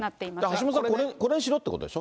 橋下さん、これにしろってことでしょ。